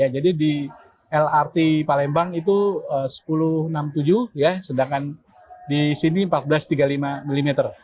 jadi di lrt palembang itu sepuluh enam puluh tujuh sedangkan di sini empat belas tiga puluh lima mm